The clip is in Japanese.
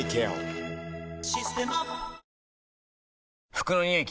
服のニオイ